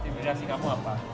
generasi kamu apa